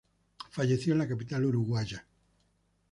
Falleció en la capital uruguaya.